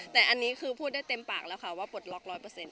แต่อันนี้คือพูดได้เต็มปากแล้วค่ะว่าปลดล็อกร้อยเปอร์เซ็นต์